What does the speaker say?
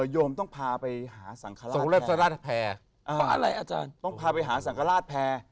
โยมต้องพาไปหาสังฆราชแพร่ต้องพาไปหาสังฆราชแพร่